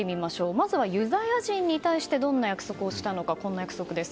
まず、ユダヤ人に対してどんな約束をしたかこんな約束です。